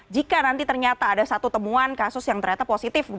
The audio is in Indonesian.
jika nanti ternyata ada satu temuan kasus yang ternyata positif